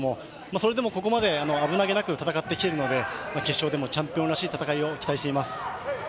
それでもここまで危なげなく戦っているので決勝でもチャンピオンらしい戦いを期待しています。